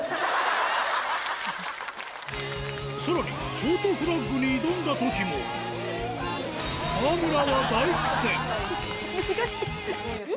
さらにショートフラッグに挑んだときもだから。